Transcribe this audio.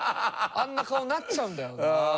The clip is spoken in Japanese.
あんな顔なっちゃうんだよな。